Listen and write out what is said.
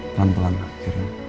pelan pelan lah kirim